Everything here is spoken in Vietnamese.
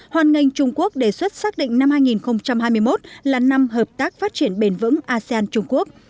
hoàn ngành trung quốc đề xuất xác định năm hai nghìn hai mươi một là năm hợp tác phát triển bền vững asean trung quốc